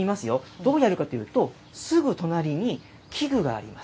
どうやるかというと、すぐ隣に器具があります。